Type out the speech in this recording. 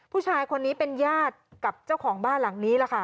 ผู้ชายคนนี้เป็นญาติกับเจ้าของบ้านหลังนี้ล่ะค่ะ